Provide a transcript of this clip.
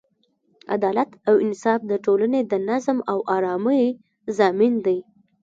عدالت او انصاف د ټولنې د نظم او ارامۍ ضامن دی.